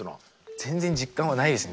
全然実感はないですね